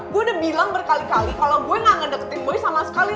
gue udah bilang berkali kali kalo gue gak ngedeketin boy sama sekali